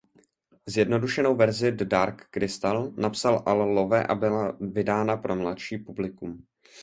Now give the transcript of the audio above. Zjednodušenou verzi "The Dark Crystal" napsal Al Lowe a byla vydána pro mladší publikum.